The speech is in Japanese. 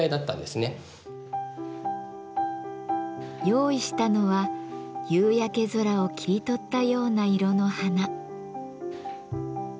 用意したのは夕焼け空を切り取ったような色の花。